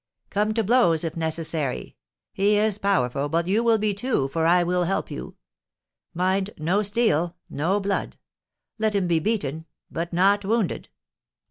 Come to blows, if necessary. He is powerful, but you will be two, for I will help you. Mind, no steel, no blood! Let him be beaten, but not wounded."